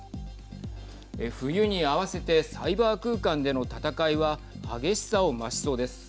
冬に合わせてサイバー空間での戦いは激しさを増しそうです。